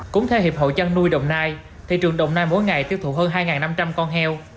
cũng theo hiệp hội chăn nuôi đồng nai thị trường đồng nai mỗi ngày tiêu thụ hơn hai năm trăm linh con heo